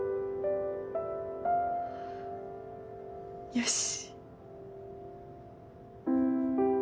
よし！